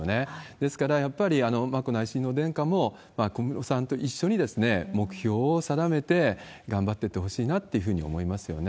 ですからやっぱり、眞子内親王殿下も、小室さんと一緒に目標を定めて頑張っていってほしいなっていうふうに思いますよね。